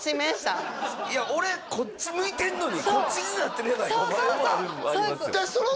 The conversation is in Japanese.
いや俺こっち向いてんのにこっちになってるやないかそうそうそう！